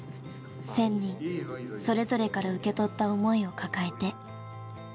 １，０００人それぞれから受け取った思いを抱えて。